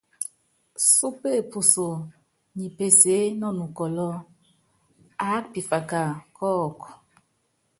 Súpe upuso nyi peseé nɔ nukɔlɔ́, aáka pifaka kɔ́ɔku.